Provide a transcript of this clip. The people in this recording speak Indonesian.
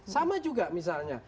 sama juga misalnya